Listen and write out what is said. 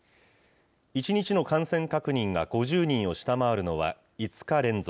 １日の感染確認が５０人を下回るのは５日連続。